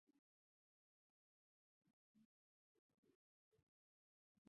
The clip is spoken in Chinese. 起先他因为非正式投降从昨天开始生效而责备我。